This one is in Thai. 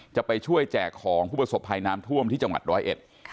จะไปช่วยแจกของผู้ประสบภัยน้ำท่วมที่จังหวัดร้อยเอ็ด